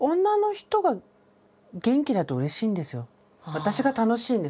私が楽しいんです。